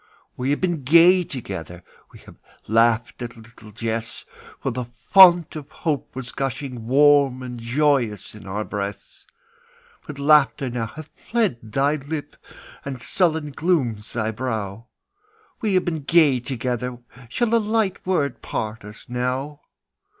We have been gay together; We have laughed at little jests; For the fount of hope was gushing Warm and joyous in our breasts, But laughter now hath fled thy lip, And sullen glooms thy brow; We have been gay together, Shall a light word part us now?